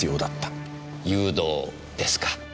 誘導ですか？